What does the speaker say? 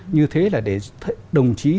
như thế là để đồng chí